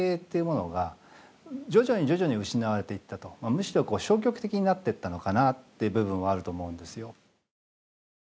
むしろ消極的になってったのかなっていう部分はあると思うんですよ。